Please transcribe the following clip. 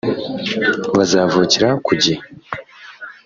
bazavukira ku gihe.